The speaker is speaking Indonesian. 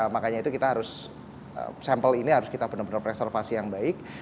makanya itu kita harus sampel ini harus kita benar benar preservasi yang baik